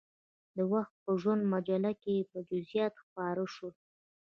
د وخت په ژوندون مجله کې یې جزئیات خپاره شول.